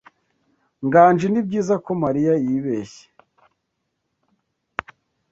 nganji ni byiza ko Mariya yibeshye.